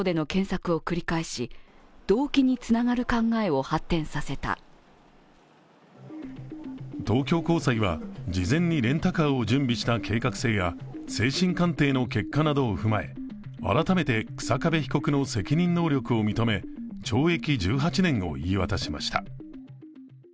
そして今日、２審の判決では東京高裁は、事前にレンタカーを準備した計画性や精神鑑定の結果などを踏まえ改めて日下部被告の責任能力を認め懲役１８年を言い渡しました。